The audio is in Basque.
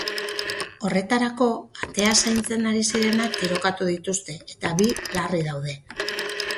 Horretarako, atea zaintzen ari zirenak tirokatu dituzte, eta bi larri daude.